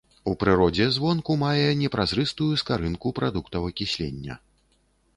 У прыродзе звонку мае непразрыстую скарынку прадуктаў акіслення.